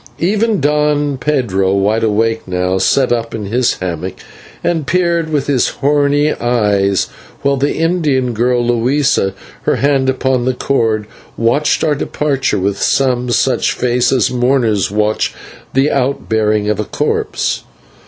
Even Don Pedro, wide awake now, sat up in his hammock and peered with his horny eyes, while the Indian girl, Luisa, her hand upon the cord, watched our departure with some such face as mourners watch the out bearing of a corpse.